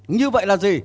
như vậy là gì